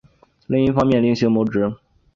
另一方面另行谋职